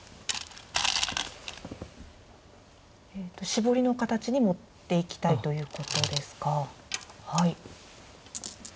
シボリの形に持っていきたいということですか。